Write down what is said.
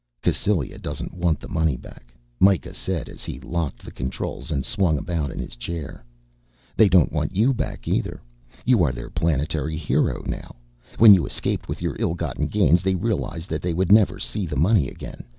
"Cassylia doesn't want the money back," Mikah said as he locked the controls and swung about in his chair. "They don't want you back either. You are their planetary hero now. When you escaped with your ill gotten gains they realized that they would never see the money again.